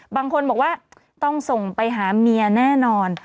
บางคนบอกว่าต้องส่งไปหาเมียแน่นอน